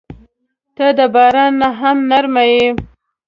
• ته د باران نه هم نرمه یې.